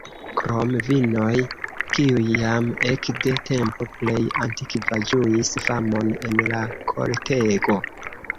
Krom vinoj, kiuj jam ekde tempo plej antikva ĝuis famon en la kortego.